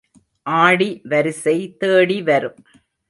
ஆடி வரிசை தேடி வரும்.